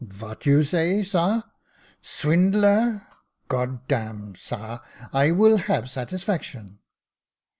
"Vat you say, sar ? Sivind lare I God dam! Sar, I will have satisfaction."